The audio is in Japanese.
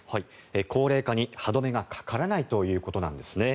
高齢化に歯止めがかからないということなんです。